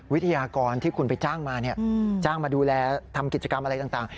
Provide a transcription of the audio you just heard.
วิทยากรที่คุณไปจ้างมาจ้างมาดูแลทำกิจกรรมอะไรต่าง